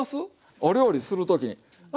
お料理する時にあ